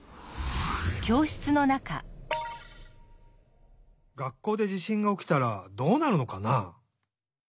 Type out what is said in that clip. がっこうで地しんがおきたらどうなるのかな？